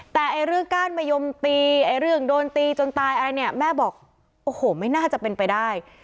แต่เรื่องก้านมะยมตีไอ้เรื่องโดนตีจนตายอะไรเนี่ยแม่บอกโอ้โหไม่น่าจะเป็นไปได้